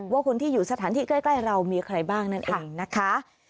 ว่าคนที่อยู่สถานที่ใกล้เรามีใครบ้างนั่นเองนะคะ